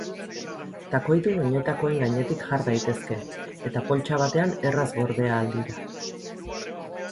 Takoidun oinetakoen gainetik jar daitezke eta poltsa batean erraz gorde ahal dira.